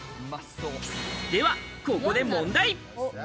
では、ここで問題。